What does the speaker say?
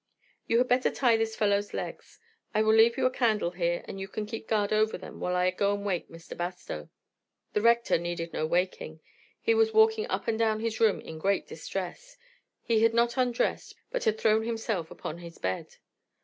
"You had better tie this fellow's legs. I will leave you a candle here, and you can keep guard over them while I go and wake Mr. Bastow." The Rector needed no waking; he was walking up and down his room in great distress. He had not undressed, but had thrown himself upon his bed.